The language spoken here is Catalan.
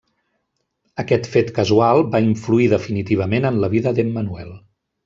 Aquest fet casual va influir definitivament en la vida d'Emmanuel.